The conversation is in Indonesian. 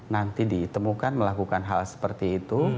nanti ditemukan melakukan hal seperti itu